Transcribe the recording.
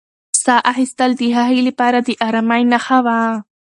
ساه اخیستل د هغې لپاره د ارامۍ نښه وه.